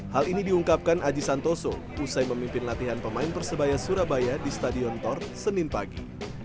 hal ini diungkapkan aji santoso usai memimpin latihan pemain persebaya surabaya di stadion tor senin pagi